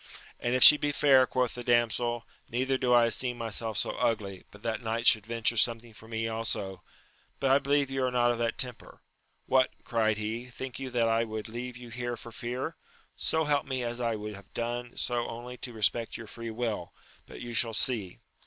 And if she be fair, quoth the damsel, neither do I esteem myself so ugly, but that knight should venture something for me also ; but I believe you are not of that temper. What ! cried he, think you that I would leave you here for fear ? so help me as I would have done so only to respect your free will, but you shall see.